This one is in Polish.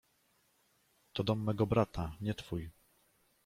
— To dom mego brata, nie twój!